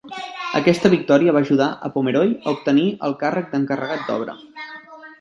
Aquesta victòria va ajudar a Pomeroy a obtenir el càrrec d'encarregat d'obra.